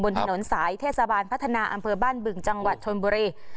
ถนนสายเทศบาลพัฒนาอำเภอบ้านบึงจังหวัดชนบุรี